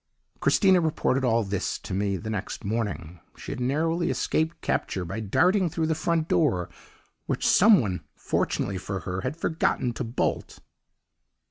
"Christina reported all this to me the next morning. She had narrowly escaped capture by darting through the front door which some one, fortunately for her, had forgotten to bolt.